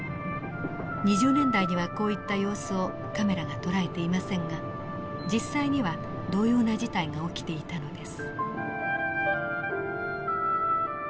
２０年代にはこういった様子をカメラがとらえていませんが実際には同様な事態が起きていたのです。